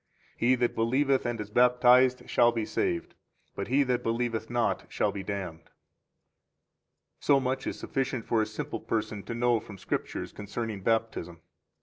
He that believeth and is baptized shall be saved; but he that believeth not shall be damned. 22 So much is sufficient for a simple person to know from the Scriptures concerning Baptism.